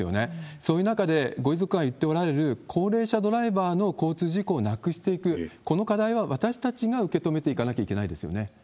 そういう中で、ご遺族が言っておられる高齢者ドライバーの交通事故をなくしていく、この課題は私たちが受け止めていかなきゃいけないですよね。